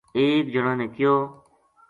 ایک جنا نے کہیو